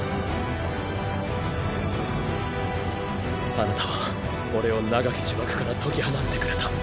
あなたは俺を長き呪縛から解き放ってくれた。